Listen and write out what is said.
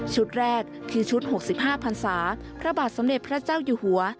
แรกคือชุด๖๕พันศาพระบาทสมเด็จพระเจ้าอยู่หัว